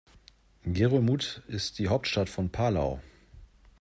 Ngerulmud ist die Hauptstadt von Palau.